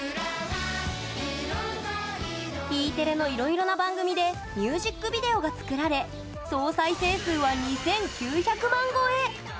Ｅ テレのいろいろな番組でミュージックビデオが作られ総再生数は２９００万超え！